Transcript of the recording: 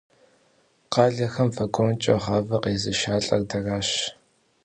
Къалэхэм вагонкӏэ гъавэ къезышалӏэр дэращ.